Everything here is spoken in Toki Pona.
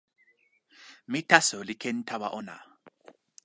mi taso li ken tawa ona.